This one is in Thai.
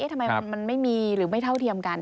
ทำไมมันไม่มีหรือไม่เท่าเทียมกัน